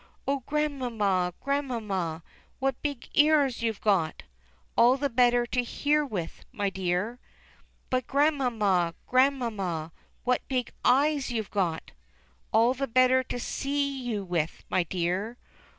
"Oh, Grandmamma, Grandmamma, what big ears youVe got!" "All the better to hear with, my dear." " But Grandmamma, Grandmamma, what big eyes youVe got !•• "All the better to see you with, my dear!"